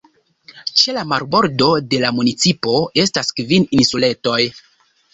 Ĉe la marbordo de la municipo estas kvin insuletoj.